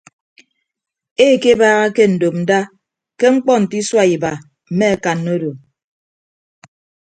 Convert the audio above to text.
Ekebaaha ke ndopnda ke ñkpọ nte isua iba mme akanna odo.